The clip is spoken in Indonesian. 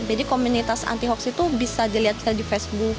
jadi komunitas anti hoax itu bisa dilihat di facebook